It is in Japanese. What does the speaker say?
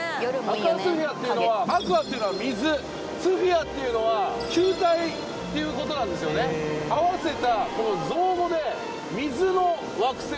アクアスフィアっていうのはアクアっていうのは水スフィアっていうのは球体っていうことなんですよね合わせた造語で水の惑星